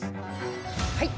はい。